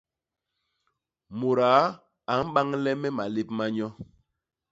Mudaa a mbañle me malép ma nyo.